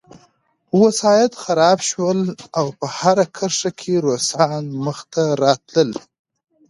وسایط خراب شول او په هره کرښه کې روسان مخته راتلل